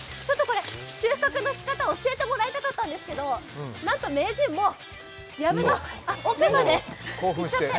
収穫のしかた、教えてもらいたかったんですけど、なんと名人、もうやぶの奥まで行っちゃった。